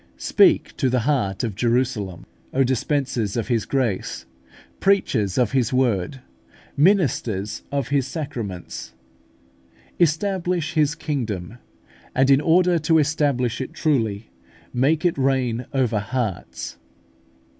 "Speak to the heart of Jerusalem" (Isa. xl. 2, marg.) O dispensers of His grace, preachers of His Word, ministers of sacraments! establish His kingdom; and, in order to establish it truly, make it reign over HEARTS.